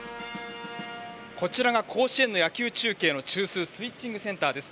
こちらが甲子園の野球中継の中枢スイッチングセンターです。